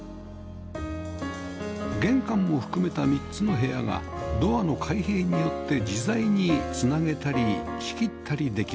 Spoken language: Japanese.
玄関も含めた３つの部屋がドアの開閉によって自在に繋げたり仕切ったりできます